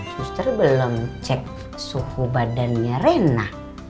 suster belum cek suhu badannya rena